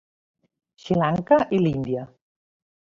Sri Lanka i l'Índia.